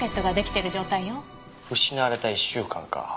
失われた１週間か。